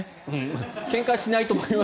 けんかしないと思います。